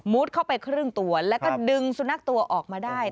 เข้าไปครึ่งตัวแล้วก็ดึงสุนัขตัวออกมาได้